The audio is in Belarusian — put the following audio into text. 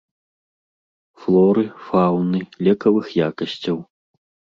Флоры, фаўны, лекавых якасцяў.